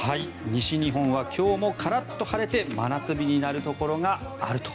西日本は今日もカラッと晴れて真夏日になるところがあると。